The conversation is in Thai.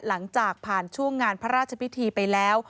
หลังจากผ่านช่วงงานพระราชพิธีไปแล้ว